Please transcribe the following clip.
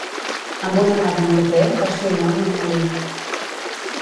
Amb una mà de morter o si no en un molí.